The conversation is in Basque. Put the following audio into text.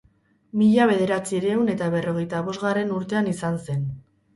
Mila bederatziehun eta berrogeita bosgarren urtean izan zen.